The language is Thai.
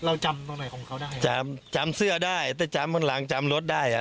เราจำตัวไหนของเขาได้จำจำเสื้อได้แต่จำข้างหลังจำรถได้อ่ะ